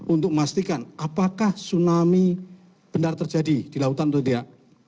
untuk memastikan apakah tsunami benar terjadi di lautan tersebar